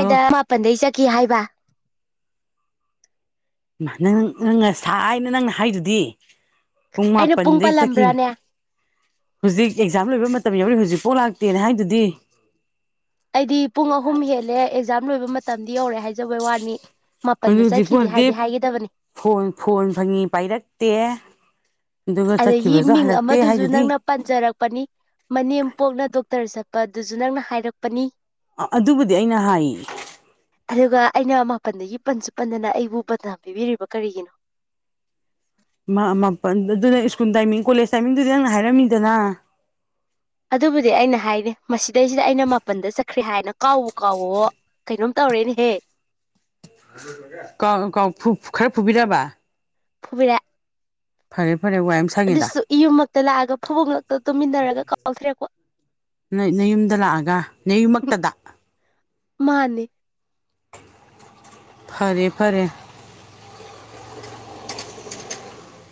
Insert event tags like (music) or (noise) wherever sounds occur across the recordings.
ꯑꯩꯗ ꯃꯥꯄꯜꯗꯩ ꯆꯠꯈꯤ ꯍꯥꯏꯕ ꯅ ꯅꯪ ꯉꯁꯥꯏꯅ ꯅꯪꯅ ꯍꯥꯏꯗꯨꯗꯤ ꯄꯨꯡ ꯑꯩꯅ ꯄꯨꯡ ꯃꯥꯄꯟꯗꯩ ꯆꯠꯈꯤꯕ ꯄꯜꯂꯝꯕ꯭ꯔꯥꯅꯦ ꯍꯧꯖꯤꯛ ꯑꯦꯛꯖꯥꯝ ꯂꯣꯏꯕ ꯃꯇꯝ ꯌꯥꯎꯔꯤ ꯍꯧꯖꯤꯛꯐꯥꯎ ꯂꯥꯛꯇꯦꯅ ꯍꯥꯏꯗꯨꯗꯤ ꯑꯩꯗꯤ ꯄꯨꯡ ꯑꯍꯨꯝ ꯍꯦꯜꯂꯦ ꯑꯦꯛꯖꯥꯝ ꯂꯣꯏꯕ ꯃꯇꯝꯗꯤ ꯌꯧꯔꯦ ꯍꯥꯏꯖꯕꯩ ꯋꯥꯅꯤ ꯑꯗꯨ ꯃꯥꯄꯟꯗ ꯍꯧꯖꯤꯛꯐꯥꯎ ꯆꯠꯈꯤꯗ ꯍꯧꯛꯇꯤ ꯍꯥꯏꯗꯤ ꯍꯥꯏꯒꯗꯕꯅꯤ ꯐꯣꯟ ꯐꯣꯟ ꯐꯪꯉꯤ ꯄꯥꯏꯔꯛꯇꯦ ꯑꯗꯨꯒ ꯑꯗꯒꯤ ꯆꯠꯈꯤꯕꯁꯨ ꯃꯤꯡ ꯍꯜꯂꯛꯇꯦ ꯑꯃꯗꯨꯁꯨ ꯍꯥꯏꯗꯨꯗꯤ ꯅꯪꯅ ꯄꯟꯖꯔꯛꯄꯅꯤ ꯃꯅꯦꯝ ꯄꯣꯛꯅ ꯗꯣꯛꯇꯔ ꯆꯠꯄ ꯑꯗꯨꯁꯨ ꯅꯪꯅ ꯍꯥꯏꯔꯛꯄꯅꯤ ꯑꯗꯨꯕꯨꯗꯤ ꯑꯩꯅ ꯍꯥꯏ ꯑꯗꯨꯒ ꯑꯩꯅ ꯃꯥꯄꯜꯗꯒꯤ ꯄꯟꯁꯨ ꯄꯟꯗꯅ ꯑꯩꯕꯨ ꯄꯠꯅꯥ ꯄꯤꯕꯤꯔꯤꯕ ꯀꯔꯤꯒꯤꯅꯣ ꯃꯥꯄꯜ ꯑꯗꯨꯅ ꯁ꯭ꯀꯨꯜ ꯇꯥꯏꯃꯤꯡ ꯀꯣꯂꯦꯖ ꯇꯥꯏꯃꯤꯡꯗꯨꯗꯤ ꯅꯪ ꯍꯥꯏꯔꯝꯃꯤꯗꯅ ꯑꯗꯨꯕꯨꯗꯤ ꯑꯩꯅ ꯍꯥꯏꯔꯤ ꯃꯁꯤꯗꯩꯁꯤꯗ ꯑꯩꯅ ꯃꯥꯄꯟꯗ ꯆꯠꯈ꯭ꯔꯦ ꯍꯥꯏꯅ ꯀꯥꯎꯋ ꯀꯥꯎꯋ ꯀꯩꯅꯣꯝ ꯇꯧꯔꯦꯅꯍꯦ ꯈꯔ ꯐꯨꯕꯤꯗꯔꯕ ꯐꯨꯕꯤꯔꯥ ꯐꯔꯦ ꯐꯔꯦ ꯋꯥꯏꯦꯝ ꯑꯗꯨꯁꯨ ꯌꯨꯝꯃꯛꯇ ꯂꯥꯛꯑꯒ ꯐꯨꯕꯣꯛ ꯉꯛꯇ ꯇꯨꯃꯤꯟꯅꯔꯒ ꯀꯥꯎꯊꯔꯛꯄ ꯅꯌꯨꯝꯗ ꯂꯥꯛꯑꯒ ꯅꯌꯨꯝꯃꯛꯇꯗ ꯃꯥꯅꯦ ꯐꯔꯦ ꯐꯔꯦ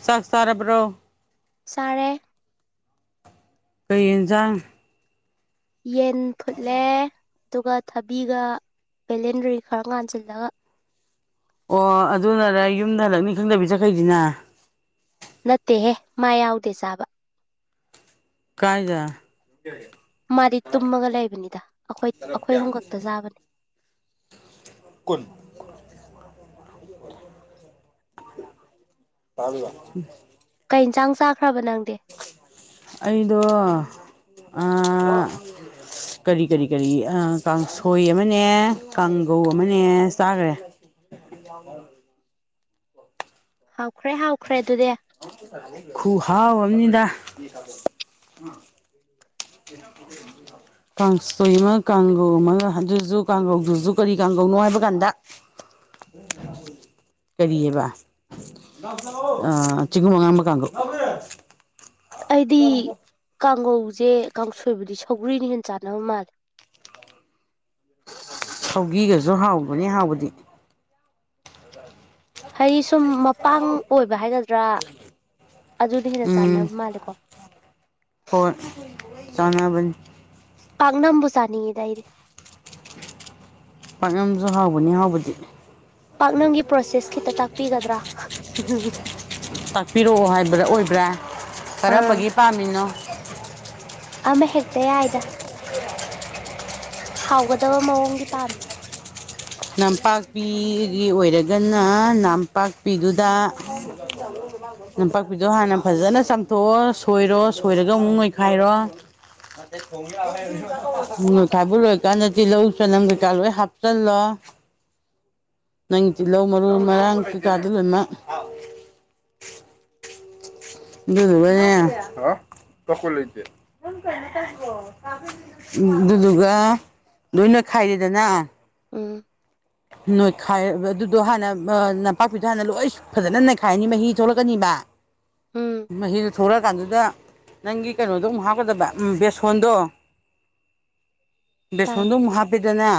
ꯆꯥꯛ ꯆꯥꯔꯕ꯭ꯔꯣ ꯆꯔꯦ ꯀꯟꯖꯥꯡ ꯌꯦꯟ ꯐꯨꯠꯂꯦ ꯑꯗꯨꯒ ꯊꯕꯤꯒ ꯕꯦꯂꯦꯟꯗ꯭ꯔꯤ ꯈꯔ ꯉꯥꯟꯁꯤꯜꯂꯒ ꯑꯣ ꯑꯗꯨꯅꯔ ꯌꯨꯝꯗ ꯍꯜꯂꯛꯅꯤ ꯈꯪꯗꯕꯤ ꯆꯠꯈꯩꯁꯤꯅ ꯅꯠꯇꯦꯍꯦ ꯃꯥ ꯌꯥꯎꯗꯦ ꯆꯥꯕ ꯀꯌꯥ ꯃꯥꯗꯤ ꯇꯨꯝꯃꯒ ꯂꯩꯕꯅꯤꯗ ꯑꯩꯈꯣꯏ ꯑꯩꯈꯣꯏ ꯍꯨꯝꯀꯛꯇ ꯆꯥꯕꯅꯤ (inaudible) ꯇꯥꯕꯤꯕ ꯀꯩ ꯏꯟꯁꯥꯡ ꯆꯥꯈ꯭ꯔꯕ ꯅꯪꯗꯤ ꯑꯩꯗꯣ ꯀꯔꯤ ꯀꯔꯤ ꯀꯔꯤ ꯀꯥꯡꯁꯣꯏ ꯑꯃꯅꯦ ꯀꯥꯡꯒꯧ ꯑꯃꯅꯦ ꯆꯥꯈ꯭ꯔꯦ ꯌꯥꯣ ꯍꯥꯎꯈ꯭ꯔꯦ ꯍꯥꯎꯈ꯭ꯔꯦ ꯑꯗꯨꯗꯤ ꯈꯨꯍꯥꯎ ꯑꯃꯅꯤꯅꯤꯗ ꯃ ꯀꯥꯡꯁꯣꯏ ꯑꯃ ꯀꯥꯡꯒꯧ ꯑꯃꯒ ꯑꯗꯨꯁꯨ ꯀꯥꯡꯒꯧꯗꯨꯁꯨ ꯀꯔꯤ ꯀꯥꯡꯒꯧꯅꯣ ꯍꯥꯏꯕ ꯀꯥꯟꯗ ꯀꯔꯤꯌꯦꯕ ꯑ ꯆꯤꯡ ꯃꯉꯑ ꯑꯃ ꯀꯥꯡꯈ ꯑꯩꯗꯤ ꯀꯥꯡꯉꯧꯁꯦ ꯀꯥꯡꯁꯣꯏꯕꯗꯤ ꯁꯧꯒ꯭ꯔꯤꯅ ꯍꯦꯟꯅ ꯆꯥꯟꯅꯕ ꯃꯥꯜꯂꯦ ꯁꯧꯒꯤꯒꯁꯨ ꯍꯥꯎꯕꯅꯤ ꯍꯥꯎꯕꯗꯤ ꯍꯥꯏꯗꯤ ꯁꯨꯝ ꯃꯄꯥꯡ ꯑꯣꯏꯕ ꯍꯥꯏꯒꯗ꯭ꯔꯥ ꯑꯗꯨꯅ ꯍꯦꯟꯅ ꯎꯝ ꯆꯥꯟꯅꯕ ꯃꯥꯜꯂꯦꯀꯣ ꯍꯣꯏ ꯆꯅꯕ ꯄꯥꯛꯅꯝꯕꯨ ꯆꯥꯅꯤꯡꯉꯤꯗ ꯑꯩꯗꯤ ꯄꯥꯛꯅꯝꯁꯨ ꯍꯥꯎꯕꯅꯤ ꯍꯥꯎꯕꯗꯤ ꯄꯥꯛꯅꯝꯒꯤ ꯄ꯭ꯔꯣꯁꯦꯁ ꯈꯤꯇ ꯇꯥꯛꯄꯤꯒꯗ꯭ꯔꯥ ꯇꯥꯛꯄꯤꯔꯛꯑꯣ ꯍꯥꯏꯕꯗ ꯑꯣꯏꯕ꯭ꯔꯥ ꯑꯥ ꯀꯔꯝꯕꯒꯤ ꯄꯥꯝꯃꯤꯅꯣ ꯑꯃ ꯍꯦꯛꯇ ꯌꯥꯏꯗ ꯍꯥꯎꯒꯗꯕ ꯃꯑꯣꯡꯒꯤ ꯄꯥꯝꯃꯦ ꯅꯝꯄꯥꯛꯄꯤꯒꯤ ꯑꯣꯏꯔꯒꯅ ꯅꯝꯄꯥꯛꯄꯤꯗꯨꯗ ꯒꯣ ꯂꯝꯝꯄꯥꯛꯄꯤꯗꯣ ꯍꯥꯟꯅ ꯐꯖꯅ ꯆꯥꯝꯊꯣꯛꯑꯣ ꯁꯣꯏꯔꯣ ꯁꯣꯏꯔꯒ ꯑꯃꯨꯛ ꯅꯣꯏꯈꯥꯏꯔꯣ ꯃ ꯈꯥꯏꯕ ꯂꯣꯏꯀꯥꯟꯗ ꯇꯤꯜꯂꯧ ꯆꯅꯝ ꯀꯩꯀꯥ ꯂꯣꯏ ꯍꯥꯞꯆꯜꯂꯣ ꯅꯪ ꯇꯤꯜꯍꯧ ꯃꯔꯨ ꯃꯔꯥꯡ ꯀꯩꯀꯥꯗꯨ ꯂꯣꯏꯅꯃꯛ ꯗꯨ ꯀ ꯀꯣ ꯂꯩꯦ ꯑꯗꯨꯗꯨꯒ ꯂꯣꯏꯅ ꯈꯥꯏꯔꯦꯗꯅ ꯎꯝ ꯅꯣꯏꯈꯥꯏ ꯑꯗꯨꯗꯣ ꯍꯥꯟꯅ ꯅꯝꯄꯥꯛꯄꯤꯗꯣ ꯍꯥꯟꯅ ꯂꯣꯏ ꯐꯖꯅ ꯅꯩꯈꯥꯏꯅꯤ ꯃꯍꯤ ꯊꯣꯛꯂꯛꯀꯅꯤꯕ ꯎꯝ ꯃꯍꯤꯗꯨꯣ ꯊꯣꯛꯂꯛꯑꯀꯥꯟꯗꯨꯗ ꯅꯪꯒꯤ ꯀꯩꯅꯣꯗꯣ ꯑꯃꯨꯛ ꯍꯥꯞꯀꯗꯕ ꯕꯦꯁꯣꯟꯗꯣ ꯇꯥꯏ ꯕꯦꯁꯣꯟꯗꯣ ꯑꯃꯨꯛ ꯍꯥꯞꯄꯦꯗꯅ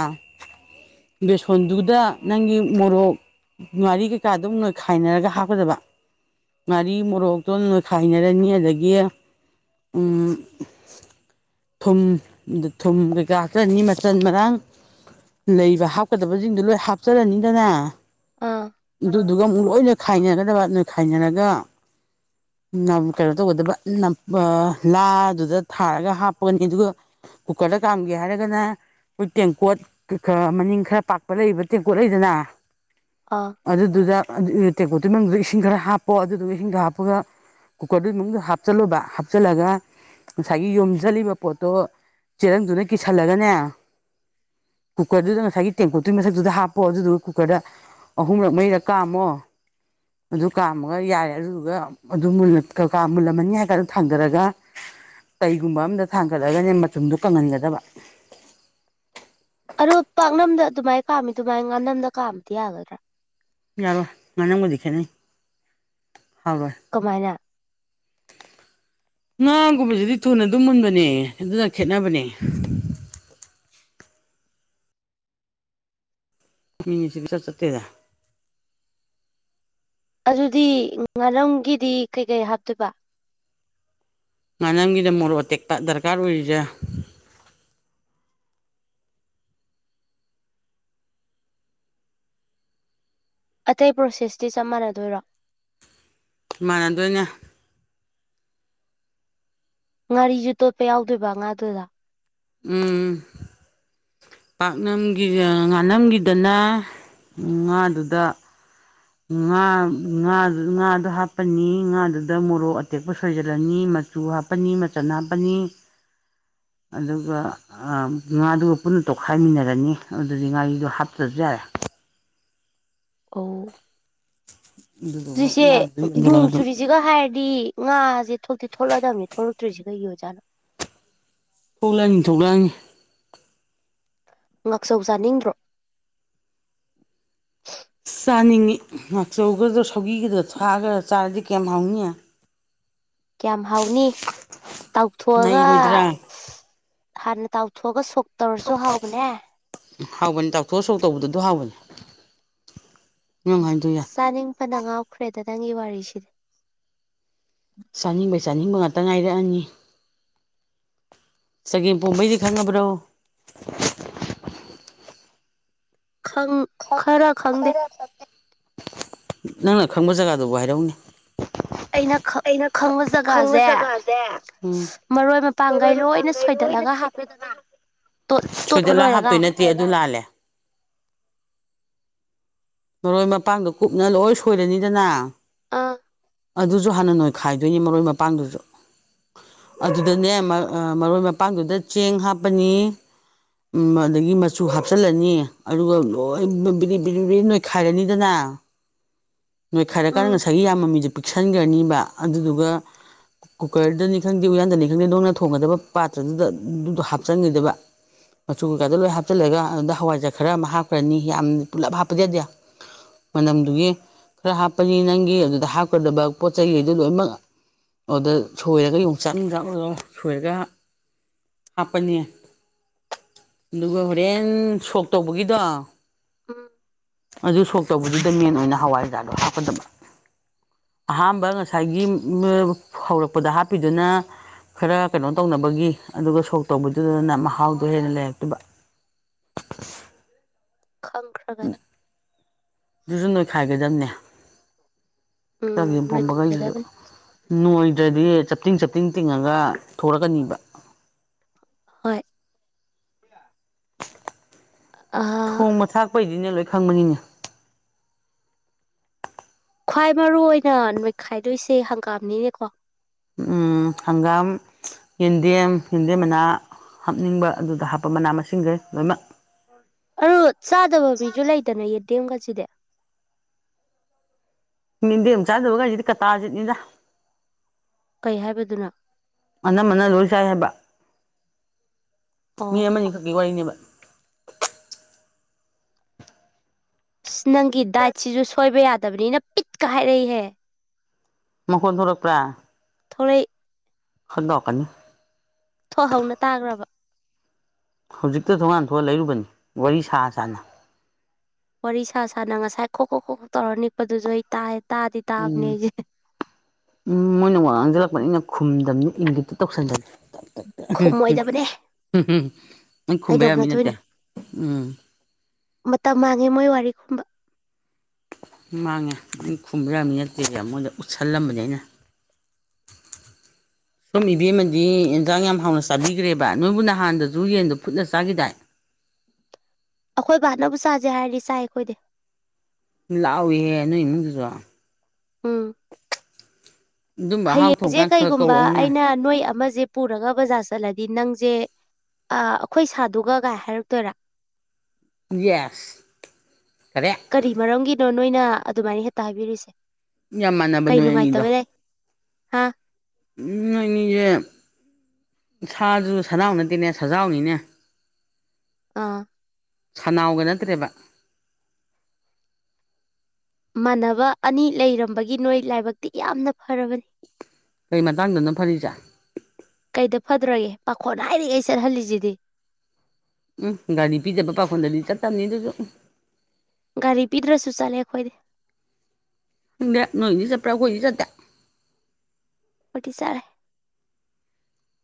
ꯕꯦꯁꯣꯟꯗꯨꯗ ꯅꯪꯒꯤ ꯃꯣꯔꯣꯛ ꯉꯥꯔꯤ ꯀꯩꯀꯥ ꯑꯗꯨꯝ ꯅꯣꯏꯈꯥꯏꯅꯔꯒ ꯍꯥꯞꯀꯗꯕ ꯉꯥꯔꯤ ꯃꯣꯔꯣꯛꯇꯣ ꯅꯣꯏꯈꯥꯏꯅꯔꯅꯤ ꯑꯗꯒꯤ ꯎꯝ ꯊꯨꯝ ꯊꯨꯝ ꯀꯩꯀꯥ ꯆ ꯑꯅꯤ ꯃꯆꯟ ꯃꯔꯥꯡ ꯂꯩꯕ ꯍꯥꯞ ꯆꯀꯗꯕꯁꯤꯡꯗꯨ ꯂꯣꯏ ꯍꯥꯞꯆꯔꯅꯤꯗꯅ ꯑꯥ ꯑꯗꯨꯗꯨꯒ ꯑꯃꯨꯛ ꯂꯣꯏꯅ ꯈꯥꯏꯅꯒꯗꯕ ꯅꯣꯏ ꯈꯥꯏꯅꯔꯒ ꯀꯩꯅꯣ ꯇꯧꯒꯗꯕ ꯂꯥꯗꯨꯗ ꯊꯥꯔꯒ ꯍꯥꯞꯄꯒꯅꯤ ꯑꯗꯨꯒ ꯀꯨꯀꯔꯗ ꯀꯥꯝꯒꯦ ꯍꯥꯏꯔꯒꯅ ꯑꯩꯈꯣꯏ ꯇꯦꯡꯀꯣꯠꯩ ꯈꯔ ꯃꯅꯤꯡ ꯈꯔ ꯄꯥꯛꯄ ꯂꯩꯕ ꯇꯦꯡꯀꯣꯠ ꯂꯩꯗꯅ ꯑꯥ ꯑꯗꯨꯗꯨꯗ ꯇꯦꯀꯣꯇꯨ ꯃꯅꯨꯡꯗꯨꯗ ꯏꯁꯤꯡ ꯈꯔ ꯍꯥꯞꯄꯣ ꯑꯗꯨꯗꯨꯒ ꯏꯁꯤꯡꯗ ꯍꯥꯞꯄꯒ ꯀꯨꯀꯔꯗꯨꯒꯤ ꯃꯅꯨꯡꯗ ꯍꯥꯞꯆꯜꯂꯨꯕ ꯍꯥꯞꯆꯤꯜꯂꯒ ꯉꯁꯥꯏꯒꯤ ꯌꯣꯝꯁꯤꯂꯤꯕ ꯄꯣꯠꯇꯣ ꯆꯦꯔꯪꯗꯨꯅ ꯀꯤꯁꯜꯂꯒꯅꯦ ꯀꯨꯀꯔꯗꯨꯗꯤ ꯅꯪ ꯊꯒꯦ ꯇꯦꯡꯀꯨꯠꯇꯨꯒꯤ ꯃꯊꯛꯇꯨꯗ ꯍꯥꯞꯄꯣ ꯑꯗꯨꯗꯨꯒ ꯀꯨꯀꯔꯗ ꯑꯍꯨꯝꯂꯛ ꯃꯩꯔꯛ ꯀꯥꯝꯃꯣ ꯑꯗꯨ ꯀꯥꯝꯃꯒ ꯌꯥꯔꯦ ꯑꯗꯨꯗꯨꯒ ꯑꯗꯨ ꯀꯀꯥ ꯃꯨꯜꯂꯝꯃꯅꯤ ꯍꯥꯏ ꯀꯥꯟꯗ ꯊꯥꯡꯊꯔꯒ꯫ ꯀꯩꯒꯨꯝꯕ ꯑꯝꯗ ꯊꯥꯡꯒꯠꯂꯒꯅꯦ ꯃꯆꯨꯝꯗꯣ ꯀꯪꯍꯟꯒꯗꯕ꯫ ꯑꯗꯨ ꯄꯥꯛꯅꯝꯗ ꯑꯗꯨꯃꯥꯏꯅ ꯀꯥꯝꯃꯤ ꯑꯗꯨꯃꯥꯏꯅ ꯉꯥꯝꯅꯝꯗ ꯀꯥꯝꯕꯗꯤ ꯌꯥꯒꯗ꯭ꯔꯥ ꯌꯥꯔꯣꯏ ꯉꯥꯅꯪꯕꯨꯗꯤ ꯈꯦꯠꯅꯩ ꯍꯥꯎꯔꯣꯏ ꯀꯃꯥꯏꯅ (inaudible) ꯉꯥꯒꯨꯝꯕꯁꯤꯗꯤ ꯊꯨꯅ ꯑꯗꯨꯝ ꯃꯨꯟꯕꯅꯦ ꯑꯗꯨꯅ ꯈꯦꯠꯅꯕꯅꯦ꯫ ꯃꯤꯉꯁꯤ ꯀ ꯆꯠ ꯆꯠꯇꯦꯗ꯫ ꯑꯗꯨꯗꯤ ꯉꯥꯔꯝꯒꯤꯗꯤ ꯀꯩꯀꯩ ꯍꯥꯞꯇꯣꯏꯕ ꯉꯥꯅꯪꯒꯤꯗ ꯃꯣꯔꯣꯛ ꯑꯇꯦꯛꯄ ꯗꯔꯀꯥꯔ ꯑꯣꯏꯔꯤꯁꯦꯥ ꯑꯇꯩ ꯄ꯭ꯔꯣꯁꯦꯁꯇꯤ ꯆꯞ ꯃꯥꯟꯅꯗꯣꯏꯔꯣ ꯏꯃꯥꯟꯅꯗꯣꯏꯅꯦ ꯉꯥꯔꯤꯁꯨ ꯇꯣꯠꯄ ꯌꯥꯎꯗꯣꯏꯕ ꯉꯥꯗꯨꯗ ꯎꯝ ꯄꯥꯛꯅꯝꯒꯤ ꯉꯥꯅꯝꯈꯤꯗꯅ ꯉꯥꯗꯨꯗ ꯉꯥ ꯉꯥ ꯉꯥꯗꯣ ꯍꯥꯞꯄꯅꯤ ꯉꯥꯗꯨꯗ ꯃꯣꯔꯣꯛ ꯑꯇꯦꯛꯄ ꯁꯣꯏꯖꯤꯜꯂꯅꯤ ꯃꯆꯨ ꯍꯥꯞꯄꯅꯤ ꯃꯆꯟ ꯍꯥꯞꯄꯅꯤ ꯑꯗꯨꯒ ꯉꯥꯗꯨꯒ ꯄꯨꯟꯅ ꯇꯣꯠꯈꯥꯏꯃꯤꯟꯅꯔꯅꯤ ꯑꯗꯨꯗꯤ ꯉꯥꯔꯤꯗꯣ ꯍꯥꯞꯇ꯭ꯔꯁꯨ ꯌꯥꯔꯦ ꯑꯣ ꯑꯗꯨꯗꯨꯒ ꯁꯨꯁꯦ ꯂꯥꯗꯨꯗ ꯌꯣꯝꯖꯜꯂꯒ ꯑꯗꯨꯝ ꯗꯣꯡꯁꯨꯔꯔꯤꯁꯤ ꯍꯥꯏꯔꯗꯤ ꯉꯥꯁꯦ ꯊꯣꯛꯇꯤ ꯊꯣꯛꯂꯛꯗꯕꯅꯤ ꯊꯣꯛꯂꯛꯇ꯭ꯔꯤꯁꯤ ꯀꯩꯒꯤ ꯑꯣꯏꯖꯠꯅꯣ꯫ ꯊꯣꯛꯂꯥꯡꯅꯤ ꯊ ꯊꯣꯛꯒꯂꯥꯡꯅꯤ ꯉꯥꯛꯆꯧ ꯆꯥꯅꯤꯡꯗ꯭ꯔꯣ ꯑ ꯆꯥꯅꯤꯡꯏꯤ ꯉꯥꯛꯆꯧꯒꯗꯣ ꯁꯧꯒꯤꯒꯗꯣ ꯊꯥꯒ ꯆꯥꯔꯗꯤ ꯀꯌꯥꯝ ꯍꯥꯎꯅꯤꯉ ꯀꯌꯥꯝ ꯍꯥꯎꯅꯤ ꯇꯥꯎꯊꯣꯛꯑꯒ ꯑ ꯅꯩꯔꯣꯏꯗ꯭ꯔꯥ ꯍꯥꯟꯅ ꯇ ꯊꯣꯡ ꯉꯒꯥ ꯁꯨꯞ ꯇꯧꯔꯁꯨ ꯍꯥꯎꯕꯅꯦ꯫ ꯍꯥꯎꯕꯅꯤ ꯗꯥꯛꯇꯣꯔ ꯁꯣꯛ ꯇꯧꯕꯗ ꯑꯗꯨ ꯍꯥꯎꯕꯅꯤꯅꯨꯡ ꯍꯥꯏ ꯆꯥꯅꯤꯡꯕꯅ ꯉꯥꯎꯈ꯭ꯔꯦꯗ ꯅꯪꯒꯤ ꯋꯥꯔꯤꯁꯤꯗꯤ ꯆꯥꯅꯤꯡꯕꯩ ꯆꯥꯅꯤꯡꯕ ꯉꯥꯛꯇ ꯉꯥꯏꯔꯛꯑꯅꯤ ꯆꯒꯦꯝ ꯄꯣꯝꯕꯩꯗꯤ ꯈꯪꯉꯕ꯭ꯔꯣ ꯈꯪ ꯈꯔ ꯈꯪꯗꯦ ꯅꯪꯅ ꯈꯪꯕ ꯖꯒꯥꯗꯨꯕꯨ ꯍꯥꯏꯔꯛꯅꯦ (inaudible) ꯑꯩꯅ ꯈꯪꯕ ꯖꯒꯥꯁꯦ ꯎꯝ ꯃꯔꯣꯏ ꯃꯄꯥꯡꯒꯩ ꯂꯣꯏꯅ ꯁꯣꯏꯗꯠꯂꯒ ꯍꯥꯞ ꯗꯅ ꯇꯣꯠꯄ ꯂꯣꯏꯔꯒ ꯑꯗꯨ ꯑꯗꯨ ꯂꯥꯜꯂꯦ ꯃꯔꯣꯏ ꯃꯄꯥꯡꯗꯣ ꯀꯨꯞꯅ ꯂꯣꯏ ꯁꯣꯏꯔꯅꯤꯗꯅ ꯑꯥ ꯑꯗꯨꯁꯨ ꯍꯥꯟꯅ ꯅꯣꯏꯈꯥꯏꯗꯣꯏꯅꯤ ꯃꯔꯣꯏ ꯃꯄꯥꯡꯗꯨꯁꯨ ꯑꯗꯨꯗꯅꯦ ꯃꯔꯣꯏ ꯃꯄꯥꯡꯗꯨꯗ ꯆꯦꯡ ꯍꯥꯞꯄꯅꯤ ꯎꯝ ꯑꯗꯒꯤ ꯃꯆꯨ ꯍꯥꯞꯆꯜꯂꯅꯤ ꯑꯗꯨꯒ ꯂꯣꯏ ꯕꯤꯔꯤ ꯕꯤꯔꯤ ꯅ‌ꯣꯏ ꯈꯥꯏꯔꯅꯤꯗꯅ ꯅꯣꯏꯈꯥꯏꯔꯀꯥꯟꯗ ꯎꯝ ꯉꯁꯥꯏꯒꯤ ꯌꯥꯝꯕ ꯃꯤꯁꯦ ꯄꯤꯛꯁꯟꯒ꯭ꯔꯅꯤꯕ ꯑꯗꯨꯗꯨꯒ ꯀꯨꯀ꯭ꯔꯗꯅꯤ ꯈꯪꯗꯦ ꯎꯌꯥꯟꯗꯅꯤ ꯈꯪꯗꯦ ꯗ‌ꯣꯝꯅ ꯊꯣꯡꯒꯗꯕ ꯄꯥꯇ꯭ꯔꯗꯨꯗ ꯑꯗꯨꯗꯣ ꯍꯥꯞꯆꯟꯈꯤꯗꯕ ꯃꯆꯨ ꯀꯩꯀꯥꯗꯣ ꯂꯣꯏ ꯍꯥꯞꯆꯤꯜꯂꯒ ꯑꯗꯨꯝꯗ ꯍꯋꯥꯏꯖꯔꯥꯛ ꯈꯔ ꯑꯃ ꯍꯥꯞꯈ꯭ꯔꯅꯤ ꯌꯥꯝ ꯄꯨꯂꯞ ꯍꯥꯞꯄ ꯌꯥꯗꯦ ꯃꯅꯝꯗꯨꯒꯤ ꯈꯔ ꯍꯥꯞꯄꯅꯤ ꯅꯪꯒꯤ ꯑꯗꯨꯗ ꯍꯥꯞꯀꯗꯕ ꯄꯣꯠ ꯆꯩꯈꯩꯗꯨ ꯂꯣꯏꯅꯃꯛ ꯑꯗꯨꯗ ꯁꯣꯏꯔꯒ ꯌꯣꯡꯆꯥꯛ ꯅꯨꯡꯖꯥꯛ ꯑꯣꯏꯣꯏꯔꯣ ꯁꯣꯏꯔꯒ ꯍꯥꯞꯄꯅꯦ ꯑꯗꯨꯒ ꯍꯣꯔꯦꯟ ꯁꯣꯛ ꯇꯧꯕꯒꯤꯗꯣ ꯑꯝ ꯑꯗꯨ ꯁꯣꯛꯇꯧꯕꯗꯨꯗ ꯃꯦꯟ ꯑꯣꯏꯅ ꯍꯋꯥꯏ ꯍꯖꯥꯗꯣ ꯍꯥꯞꯀꯗꯕ꯫ ꯑꯍꯥꯟꯕ ꯉꯁꯥꯏꯒꯤ ꯍꯧꯔꯛꯄꯗ ꯍꯥꯞꯄꯤꯗꯨꯅ ꯈꯔ ꯀꯩꯅꯣ ꯇꯧꯅꯕꯒꯤ ꯑꯗꯨꯒ ꯁꯣꯛ ꯇꯧꯕꯗꯨꯗꯅ ꯃꯍꯥꯎꯗꯣ ꯍꯦꯟꯅ ꯂꯩꯔꯛꯇꯕ (inaudible) ꯈꯪꯈ꯭ꯔꯕꯅꯤ ꯑꯗꯨꯁꯨ ꯅꯣꯏꯈꯥꯏꯒꯗꯝꯅꯦ ꯎꯝ ꯆꯒꯦꯝ ꯄꯣꯝꯕꯈꯩꯁꯤꯁꯨ ꯅꯣꯏꯈꯥꯏꯒꯗꯕꯅꯤ ꯅꯣꯏꯗ꯭ꯔꯗꯤ ꯆꯞꯇꯤꯡ ꯆꯞꯇꯤꯡ ꯇꯤꯡꯉꯒ ꯊꯣꯔꯛꯀꯅꯤꯕ ꯍꯣꯏ ꯊꯣꯡꯕ ꯊꯥꯛꯄꯩꯗꯤꯅꯦ ꯂꯣꯏ ꯈꯪꯕꯅꯤꯅꯦ ꯈ꯭ꯋꯥꯏ ꯃꯔꯨ ꯑꯣꯏꯅ ꯅꯣꯏ ꯈꯥꯏꯗꯣꯏꯁꯦ ꯍꯪꯒꯥꯝꯅꯤꯅꯦꯀꯣ ꯎꯝ ꯍꯪꯒꯥꯝ ꯌꯦꯟꯗꯦꯝ ꯌꯦꯟꯗꯦꯝ ꯃꯅꯥ ꯍꯥꯞꯅꯤꯡꯕ ꯑꯗꯨꯗ ꯍꯥꯞꯄ ꯃꯅꯥ ꯃꯁꯤꯡꯁꯦ ꯂꯣꯏꯅꯃꯛ ꯑꯗꯨ ꯆꯥꯗꯕ ꯃꯤꯁꯨ ꯂꯩꯗꯅ ꯌꯦꯗꯦꯝꯒꯁꯤꯗꯤ ꯌ‌ꯦꯟꯗꯦꯝ ꯆꯥꯗꯕꯒꯥꯁꯤꯗꯤ ꯀꯇꯥꯖꯤꯠꯅꯤꯗ ꯀꯩ ꯍꯥꯏꯕꯗꯨꯅ ꯑꯅꯝꯕꯅ ꯂꯣꯏ ꯆꯥꯏ ꯍꯥꯏꯕ ꯃꯤ ꯑꯣ ꯑꯃꯅꯤꯈꯛꯀꯤ ꯋꯥꯔꯤꯅꯦꯕ ꯑꯁ ꯅꯪꯒꯤ ꯗꯥꯏꯠꯁꯤꯁꯨ ꯁꯣꯏꯕ ꯌꯥꯗꯕꯅꯤꯅ ꯄꯤꯠꯀ ꯍꯥꯏꯔꯛꯏꯍꯦ ꯃꯈꯣꯟ ꯊꯣꯔꯛꯄ꯭ꯔꯥ ꯊꯣꯛꯂꯛ ꯈꯔꯥ ꯇꯧꯔꯛꯀꯅꯤ ꯊꯣꯛꯍꯧꯅ ꯇꯥꯈ꯭ꯔꯕ ꯍꯧꯖꯤꯛꯇ ꯊꯣꯡꯒꯥꯟ ꯊꯣꯛꯑ ꯂꯩꯔꯨꯕꯅꯤ ꯋꯥꯔꯤ ꯁꯥ ꯁꯥꯅ꯫ ꯋꯥꯔꯤ ꯁꯥ ꯁꯥꯅ ꯉꯁꯥꯏ ꯈꯣ ꯈꯣ ꯈꯣꯛ ꯇꯧꯔ ꯅꯤꯛꯄꯗꯨꯁꯨ ꯑꯩ ꯇꯥꯏ ꯇꯥꯗꯤ ꯇꯥꯕꯅꯦ ꯎꯝ ꯑꯩꯁꯦ꯫ ꯎꯝ ꯃꯣꯏꯅ ꯋꯥ ꯉꯥꯡꯁꯤꯜꯂꯛꯄꯅꯤꯅ ꯈꯨꯝꯗꯝꯅꯤ ꯏꯟꯒꯤꯠꯇꯥ ꯇꯧꯁꯟꯕꯅꯤ ꯎꯝ ꯈꯨꯝꯃꯣꯏꯗꯕꯅꯦ ꯎꯝꯝ ꯅꯪ ꯈꯨꯝꯕ ꯌꯥꯕꯃꯤ ꯅꯠꯇꯦ ꯀꯩꯗꯧꯅꯗꯣꯏꯅꯣ ꯎꯝ ꯃꯇꯝ ꯃꯥꯡꯉꯦ ꯃꯣꯏ ꯋꯥꯔꯤ ꯈꯨꯝꯕ ꯃꯥꯡꯉꯦ ꯑꯩꯅ ꯈꯨꯝꯕ ꯌꯥꯕꯃꯤ ꯅꯠꯇꯦꯁ‌ꯦ ꯃꯣꯏꯗ ꯎꯠꯁꯜꯂꯝꯕꯅꯤ ꯑꯩꯅ (inaudible) ꯁ‌ꯣꯝ ꯏꯕꯦꯝꯃꯗꯤ ꯌꯦꯟꯖꯥꯡ ꯌꯥꯝ ꯍꯥꯎꯅ ꯆꯥꯕꯤꯈ꯭ꯔꯦꯕ ꯅꯣꯏꯕꯨ ꯅꯍꯥꯟꯗꯁꯨ ꯌꯦꯟꯗꯣ ꯐꯨꯠꯂ ꯆꯥꯒꯤꯗꯥꯏ ꯑꯩꯈꯣꯏ ꯚꯅꯕꯨ ꯆꯥꯁꯦ ꯍꯥꯏꯔꯗꯤ ꯆꯥꯏ ꯑꯩꯈꯣꯏꯗꯤ ꯂꯥꯎ ꯏꯍꯦ ꯅꯣꯏ ꯏꯃꯨꯡꯗꯨꯁꯨ ꯎꯝ ꯑꯗꯨꯝꯕ ꯑꯍꯥꯎ ꯍꯌꯦꯡꯁꯦ ꯊꯣꯡꯀꯥꯟ ꯈꯔ ꯀꯩꯒꯨꯝꯕ ꯀꯧꯔꯛꯎꯅꯦ ꯑꯩꯅ ꯅꯣꯏ ꯑꯃꯁꯦ ꯄꯨꯔꯒ ꯕꯖꯥ꯭ꯔ ꯆꯠꯂꯗꯤ ꯅꯪꯁꯦ ꯑꯩꯈꯣꯏ ꯁꯥꯗꯨꯒ ꯀꯥꯏ ꯍꯥꯏꯔꯛꯇꯣꯏꯔꯥ ꯌꯦꯁ ꯀꯔꯦꯛ ꯀꯔꯤ ꯃꯔꯝꯒꯤꯅꯣ ꯅꯣꯏꯅ ꯑꯗꯨꯃꯥꯏꯅ ꯍꯦꯛꯇ ꯍꯥꯏꯕꯤꯔꯤꯁꯦ ꯌꯥꯝ ꯃꯥꯟꯅꯕ ꯀꯩ ꯅꯣꯏ ꯅꯨꯡꯉꯥꯏꯇꯕ ꯂꯩ ꯍꯥꯥ ꯎꯝ ꯅ‌ꯣꯏꯅꯤꯁ‌ꯦ ꯁꯥꯗꯨꯅ ꯁꯅꯥꯎ ꯅꯠꯇ‌ꯦ ꯁꯖꯥꯎꯅꯤꯅꯦ ꯑꯥ ꯁꯅꯥꯎꯒ ꯅꯠꯇ꯭ꯔꯦꯕ ꯃꯥꯟꯅꯕ ꯑꯅꯤ ꯂꯩꯔꯝꯕꯒꯤ ꯅꯣꯏ ꯂꯥꯏꯕꯛꯇꯤ ꯌꯥꯝꯅ ꯐꯔꯕꯅꯤ ꯀꯩ ꯃꯇꯥꯡꯗꯅ ꯐꯔꯤꯁꯦ ꯀꯩꯗ ꯐꯗ꯭ꯔꯒꯦ ꯄꯥꯈꯣꯠ ꯍꯥꯏꯔꯤꯉꯩ ꯆꯠꯍꯜꯂꯤꯁꯤꯗꯤ ꯎꯝ ꯒꯥꯔꯤ ꯄꯤꯖꯕ ꯄꯥꯈꯣꯟꯗꯗꯤ ꯆꯠꯇꯕꯅꯤ ꯑꯗꯨꯁꯨ ꯒꯥꯔꯤ ꯄꯤꯗ꯭ꯔꯁꯨ ꯆꯠꯂꯦ ꯑꯩꯈꯣꯏꯗꯤ ꯈꯪꯗꯦ ꯅꯣꯏꯗꯤ ꯆꯠꯄ꯭ꯔꯥ ꯑꯩꯈꯣꯏꯗꯤ ꯆꯠꯇꯦ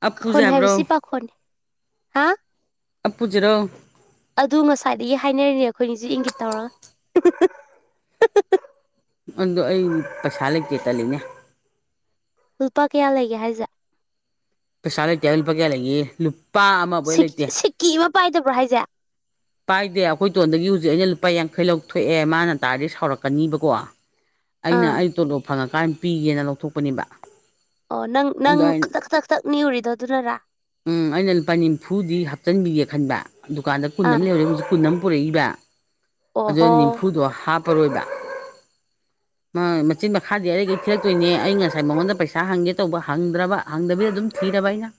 ꯑꯞꯄꯨꯁꯦ ꯄꯥꯈꯣꯟ ꯍꯥꯏꯕ꯭ꯔꯣ ꯍꯥꯏꯕꯁꯤ ꯄꯥꯈꯣꯟꯅꯤ ꯍꯥ ꯑꯄꯨꯖꯔꯣ ꯑꯗꯨ ꯉꯁꯥꯏꯗꯒꯤ ꯍꯥꯏꯅꯔꯤꯅꯦ ꯑꯩꯈꯣꯏꯅꯤꯁꯨ ꯏꯪꯒꯤꯠ ꯇꯧꯔꯒ ꯑꯗꯣ ꯑꯩ ꯄꯩꯁꯥ ꯂꯩꯇꯦ ꯇꯠꯜꯂꯤꯅꯦ ꯂꯨꯄꯥ ꯀꯌꯥ ꯂꯩꯒꯦ ꯍꯥꯏꯁꯦ ꯄꯩꯁꯥ ꯂꯩꯇ‌ꯦ ꯍꯥꯏ ꯂꯨꯄꯥ ꯀꯥꯌꯥ ꯂꯩꯒꯦꯌ‌ꯦ ꯁꯤꯛ ꯁꯤꯛꯀꯤ ꯑꯃ ꯄꯥꯏꯗꯕ꯭ꯔꯣ ꯍꯥꯏꯁꯦ ꯄꯥꯏꯗꯦ ꯑꯩꯈꯣꯏꯇꯣꯟꯗꯒꯤ ꯍꯧꯖꯤꯛ ꯑꯩꯅ ꯂꯨꯄꯥ ꯌꯥꯡꯈꯩ ꯂꯧꯊꯣꯛꯑꯦ ꯃꯥꯅ ꯇꯥꯔꯗꯤ ꯁꯥꯎꯔꯛꯀꯅꯤꯕꯀꯣ ꯑꯩꯅ ꯑꯥ ꯑꯩ ꯇꯣꯂꯣꯞ ꯐꯪꯉꯀꯥꯟꯗ ꯄꯤꯒꯦꯅ ꯂꯧꯊꯣꯛꯄꯅꯦꯕ ꯑꯣ ꯅꯪ ꯅꯪ ꯑꯗꯣ ꯑꯩꯅ ꯈꯇꯛ ꯈꯇꯛ ꯈꯊꯛ ꯅꯤꯛꯎꯔꯤꯗꯣ ꯑꯗꯨꯅꯔꯥ ꯎꯝ ꯑꯩꯅ ꯂꯨꯄꯥ ꯅꯤꯐꯨꯗꯤ ꯍꯥꯞꯆꯤꯟꯕꯤꯒꯦ ꯈꯟꯕ ꯗꯨꯀꯥꯟꯗ ꯀꯨꯟ ꯑꯥ ꯑꯃ ꯂꯩꯔꯦ ꯍꯧꯛ ꯀꯨꯟ ꯑꯃ ꯄꯨꯔꯛꯏꯕ ꯑꯗꯨ ꯑꯣꯍꯣ ꯅꯤꯝꯐꯨꯗꯣ ꯍꯥꯞꯄꯔꯣꯏꯕ ꯃꯆꯤꯟ ꯃꯈꯥꯗꯤ ꯑꯔꯗꯒꯤꯩ ꯊꯤꯔꯛꯇꯣꯏꯅꯦ ꯑꯩ ꯉꯁꯥꯏ ꯃꯉꯣꯟꯗ ꯄꯩꯁꯥ ꯍꯪꯒꯦ ꯇꯧꯕ ꯍꯪꯗ꯭ꯔꯕ ꯍꯪꯗꯕꯤꯗ ꯑꯗꯨꯝ ꯊꯤꯔꯕ ꯑꯩꯅ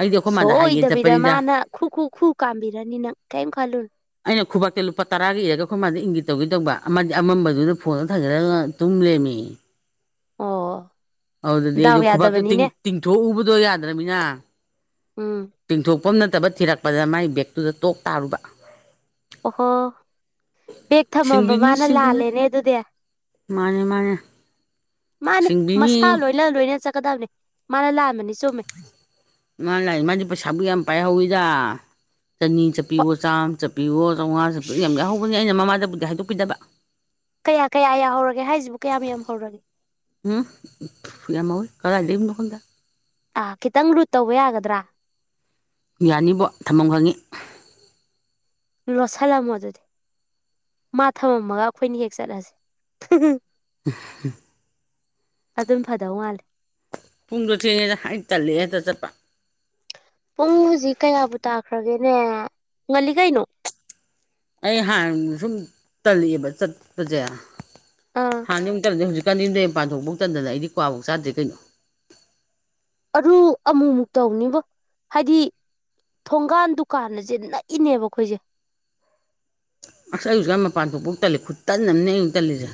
ꯑꯩꯗꯤ ꯑꯩꯈꯣꯏ ꯃꯥꯗ ꯍꯥꯏꯒꯦ ꯁꯣꯏꯗꯕꯤꯗ ꯆꯠꯄꯅꯤꯗ ꯃꯥꯅ ꯈꯨ ꯈꯨ ꯈꯨ ꯀꯥꯝꯕꯤꯔꯅꯤ ꯅꯪ ꯀꯩꯝ ꯈꯜꯂꯨꯅꯨ ꯑꯩꯅ ꯈꯨꯕꯥꯛꯇ ꯂꯨꯄꯥ ꯇꯔꯥꯒꯤ ꯏꯔꯒ ꯑꯩꯈꯣꯏ ꯃꯥꯗ ꯏꯟꯈꯤꯦ ꯇꯧꯒꯦ ꯇꯧꯕ ꯑꯃꯗꯤ ꯑꯃꯝꯕꯗꯨꯗ ꯐꯣꯟꯗ ꯊꯥꯖꯤꯠꯂꯒ ꯇꯨꯝ ꯂꯩꯔꯝꯃꯤꯌꯦ ꯑꯣ ꯑꯗꯨꯗꯤ ꯗꯥꯎ ꯑꯩꯁꯨ ꯈꯨꯕꯥꯛꯇꯣ ꯌꯥꯗꯕꯅꯤꯅꯦ ꯇꯤꯡꯊꯣꯛꯎꯕꯗꯣ ꯌꯥꯗ꯭ꯔꯅꯤꯅ ꯎꯝ ꯆꯤꯡꯊꯣꯛꯐꯝ ꯅꯠꯇꯕ ꯊꯤꯔꯛꯄꯗ ꯃꯥꯏ ꯕꯦꯒꯛꯇꯨꯗ ꯇꯣꯛ ꯇꯥꯔꯨꯕ ꯑꯣꯍꯣ ꯕꯦꯦꯛ ꯊꯝꯃꯝꯕ ꯁꯤꯡꯕꯤꯅꯤ ꯃꯥꯅ ꯁꯤꯡꯕꯤꯅꯤ ꯂꯥꯜꯂꯦꯅꯦ ꯑꯗꯨꯗꯤ ꯃꯥꯅꯦ ꯃꯥ ꯃꯥꯅꯦ ꯃꯁꯥ ꯂꯣꯏꯅ ꯂꯣꯏꯅ ꯆꯠꯀꯗꯕꯅꯤ ꯃꯥꯅ ꯂꯥꯟꯕꯅꯤ ꯆꯨꯝꯃꯦ ꯃꯥ ꯂꯥꯛ ꯃꯥꯗꯤ ꯄꯩꯁꯥꯕꯨ ꯌꯥꯝ ꯄꯥꯏꯍꯧꯋꯤꯗ ꯆꯅꯤ ꯆꯠꯄꯤꯌꯣ ꯆꯥꯝꯃ ꯆꯠꯄꯤ ꯕꯤꯌꯣ ꯆꯥꯝꯉꯥꯁꯨꯦ ꯌꯥꯝ ꯌꯥꯎꯍꯧꯒꯅꯤ ꯑꯩꯅ ꯃꯃꯥꯗꯕꯨꯗꯤ ꯍꯥꯏꯗꯣꯛꯄꯤꯗꯕ ꯀꯌꯥ ꯀꯌꯥ ꯌꯥꯍꯧꯔꯒꯦ ꯍꯥꯏꯁꯤꯕꯨ ꯀꯌꯥ ꯌꯥꯝ ꯍꯧꯧꯔꯒꯦ ꯎꯝ ꯌꯥꯝ ꯍꯥꯎꯋꯣꯏ ꯀꯔꯥꯏ ꯂꯩꯔꯤꯃꯣ ꯈꯪꯗꯦ ꯑꯥ ꯈꯤꯇꯪ ꯔꯨꯠ ꯇꯧꯕ ꯌꯥꯒꯗ꯭ꯔꯥ ꯌꯥꯅꯤꯕꯣ ꯊꯝꯐꯝ ꯈꯪꯉꯤ ꯂꯣꯠꯁꯤꯜꯂꯝꯃꯣ ꯑꯗꯨꯗꯤ ꯃꯥ ꯊꯝꯃꯝꯃꯒ ꯑꯩꯈꯣꯏꯅ ꯍꯦꯛ ꯆꯠꯂꯁꯦ (unintelligible) (unintelligible) ꯑꯗꯨꯝ ꯐꯗꯧ ꯃꯥꯟꯂꯦ ꯄꯨꯡꯗꯣ ꯊꯦꯡꯉꯦꯗ ꯑꯪ ꯇꯜꯂꯛꯑꯦꯗ ꯆꯠꯄ ꯄꯨꯡ ꯍꯧꯖꯤꯛ ꯀꯌꯥꯕꯨ ꯇꯥꯈ꯭ꯔꯒꯦꯅꯦ ꯉꯜꯂꯤ ꯀꯩꯅꯣ ꯑꯩ ꯍꯥꯟꯅ ꯁꯨꯝ ꯇꯂꯛꯑꯦꯕ ꯆꯠꯄꯁꯦ ꯑꯥ ꯍꯥꯟꯅ ꯃꯇꯝꯗꯗꯤ ꯍꯧꯖꯤꯛꯀꯥꯟꯗꯝ ꯌꯨꯝꯗꯩ ꯃꯄꯥꯟꯊꯣꯛꯐꯧ ꯇꯟꯗꯅ ꯑꯩꯗꯝ ꯀ꯭ꯋꯥꯐꯧ ꯆꯥꯗꯦ ꯀꯩꯅꯣ ꯑꯔꯨ ꯑꯃꯨꯛꯃꯨꯛ ꯇꯧꯅꯤꯕꯣ ꯍꯥꯏꯗꯤ ꯊꯣꯡꯒꯥꯟ ꯗꯨꯀꯥꯟ ꯑꯁꯦ ꯅꯛꯏꯅꯦꯕ ꯑꯩꯈꯣꯏꯁꯦ ꯑꯁ ꯑꯩ ꯑꯁꯨꯛꯌꯥꯝ ꯃꯄꯥꯟ ꯊꯣꯛꯄꯣꯛ ꯇꯜꯂꯤ ꯈꯨꯠꯇꯟ ꯑꯃꯅꯤ ꯑꯩ ꯇꯜꯂꯤꯁꯦ